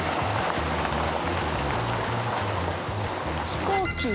飛行機。